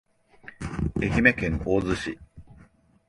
愛媛県大洲市